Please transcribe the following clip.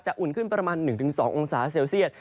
อุ่นขึ้นประมาณ๑๒องศาเซลเซียต